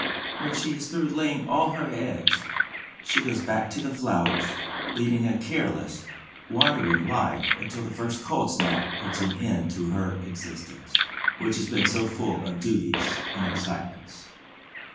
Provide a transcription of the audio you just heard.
When she is through laying all her eggs, she goes back to the flowers, leading a careless, wandering life until the first cold snap puts an end to her existence, which has been so full of duties and excitements.